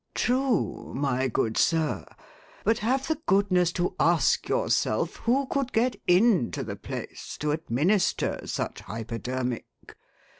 "True, my good sir; but have the goodness to ask yourself who could get into the place to administer such hypodermic?